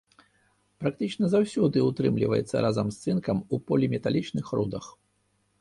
Практычна заўсёды ўтрымліваецца разам з цынкам у поліметалічных рудах.